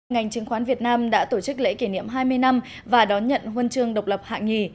ngành chứng khoán việt nam đã tổ chức lễ kỷ niệm hai mươi năm và đón nhận huân chương độc lập hạng nhì